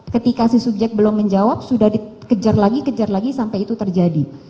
ketika si subjek belum menjawab sudah dikejar lagi kejar lagi sampai itu terjadi